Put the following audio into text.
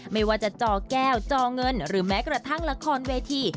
ไม่ว่าจะจอแก้วจอเงินหรือแม้กระทั่งละครเวที